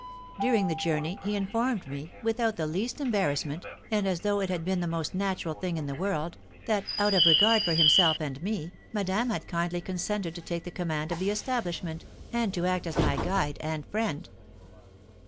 During the journey he informed me, without the least embarrassment, and as though it had been the most natural thing in the world, that, out of regard for himself and me, madame had kindly consented to take the command of the establishment, and to act as my guide and friend.